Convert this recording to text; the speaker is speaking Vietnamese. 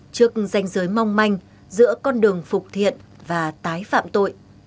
trước danh giới mong manh giữa con đường phục thiện và tái phạm tội